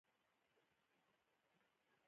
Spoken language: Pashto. دوی هېڅې د خلکو د ارامۍ لپاره نه کوي.